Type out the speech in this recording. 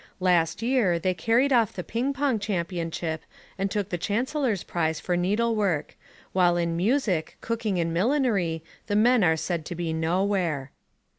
Last year they carried off the ping pong championship and took the chancellor's prize for needlework, while in music, cooking and millinery the men are said to be nowhere.